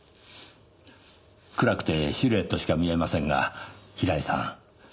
暗くてシルエットしか見えませんが平井さん